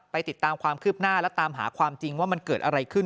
ติดตามความคืบหน้าและตามหาความจริงว่ามันเกิดอะไรขึ้น